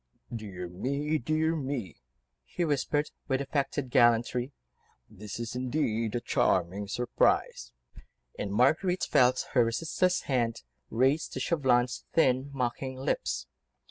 "Dear me! dear me!" he whispered, with affected gallantry, "this is indeed a charming surprise," and Marguerite felt her resistless hand raised to Chauvelin's thin, mocking lips.